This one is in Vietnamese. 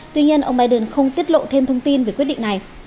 tuy nhiên ông biden không tiết lộ thêm thông tin về quyết định này